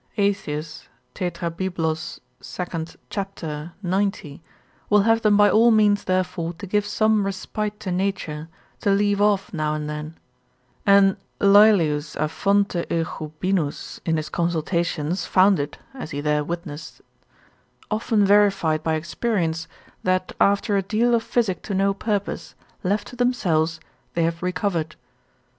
Aetius tetrabib. 2. 2. ser. cap. 90. will have them by all means therefore to give some respite to nature, to leave off now and then; and Laelius a Fonte Eugubinus in his consultations, found it (as he there witnesseth) often verified by experience, that after a deal of physic to no purpose, left to themselves, they have recovered.